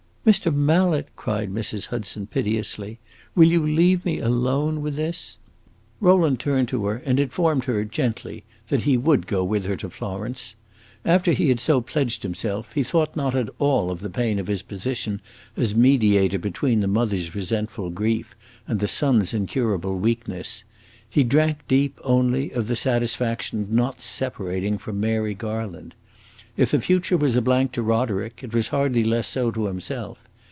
"Mr. Mallet," cried Mrs. Hudson, piteously, "will you leave me alone with this?" Rowland turned to her and informed her, gently, that he would go with her to Florence. After he had so pledged himself he thought not at all of the pain of his position as mediator between the mother's resentful grief and the son's incurable weakness; he drank deep, only, of the satisfaction of not separating from Mary Garland. If the future was a blank to Roderick, it was hardly less so to himself.